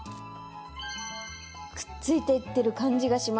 くっついていってる感じがします。